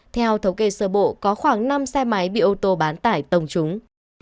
theo thống kê sơ bộ có khoảng năm xe máy bị ô tô bán tải tông trúng